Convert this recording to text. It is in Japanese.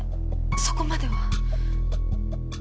そこまでは。